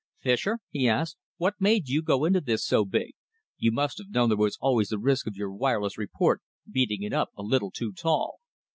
"Fischer," he asked, "what made you go into this so big? You must have known there was always the risk of your wireless report beating it up a little too tall."